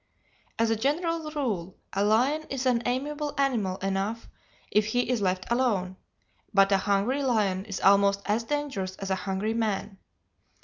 As a general rule a lion is an amiable animal enough if he is left alone, but a hungry lion is almost as dangerous as a hungry man.